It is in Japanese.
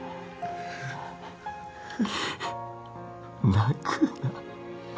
泣くな